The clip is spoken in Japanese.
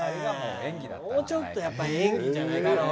もうちょっと演技じゃないかな。